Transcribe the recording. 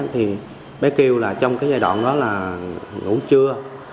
thì mấy kêu là trong cái giai đoạn đó là ngủ trưa